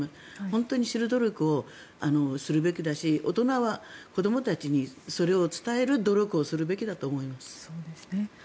本当に知る努力をするべきだし大人は、子供たちにそれを伝える努力をするべきだと思います。